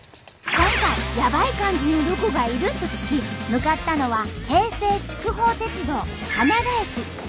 今回ヤバい感じのロコがいると聞き向かったのは平成筑豊鉄道金田駅。